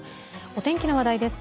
お天気の話題です。